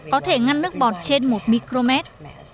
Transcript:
có thể ngăn nước bọt trên một micromet